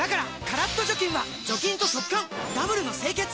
カラッと除菌は除菌と速乾ダブルの清潔！